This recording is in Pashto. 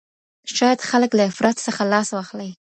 شاید خلګ له افراط څخه لاس واخلي.